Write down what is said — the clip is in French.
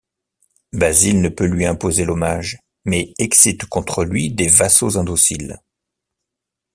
Basile ne peut lui imposer l'hommage, mais excite contre lui des vassaux indociles.